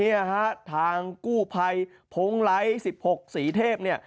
นี่ฮะทางกู้ไภโพงไรสิบหกสีเทพเนี่ย